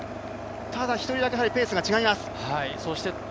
ただ１人だけやはりペースが違います。